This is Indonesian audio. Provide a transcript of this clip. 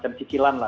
ya yang cicilan lah